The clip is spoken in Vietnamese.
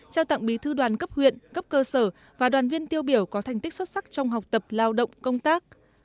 trao tặng bí thư đoàn cấp huyện cấp cơ sở và đoàn viên tiêu biểu có thành tích xuất sắc trong học tập lao động công tác